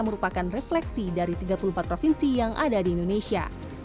merupakan refleksi dari tiga puluh empat provinsi yang ada di indonesia